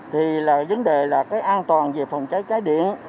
thì là vấn đề là cái an toàn về phòng cháy cháy điện